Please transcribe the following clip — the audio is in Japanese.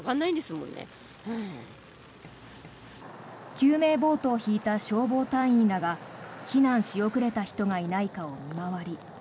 救命ボートを引いた消防隊員らが避難し遅れた人がいないかを見回り